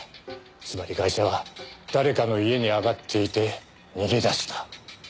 つまりガイシャは誰かの家に上がっていて逃げ出した。